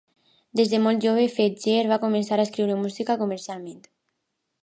Des de molt jove, Fletcher va començar a escriure música comercialment.